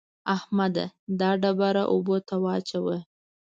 احمده! دا ډبره اوبو ته واچوه.